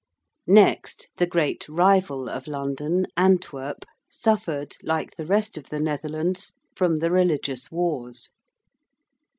Next, the great rival of London, Antwerp, suffered, like the rest of the Netherlands, from the religious wars.